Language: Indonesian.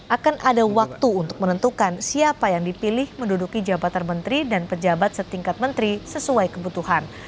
akan ada waktu untuk menentukan siapa yang dipilih menduduki jabatan menteri dan pejabat setingkat menteri sesuai kebutuhan